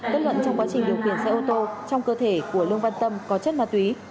kết luận trong quá trình điều khiển xe ô tô trong cơ thể của lương văn tâm có chất ma túy